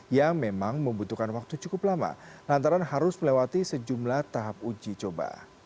yang memang membutuhkan waktu cukup lama lantaran harus melewati sejumlah tahap uji coba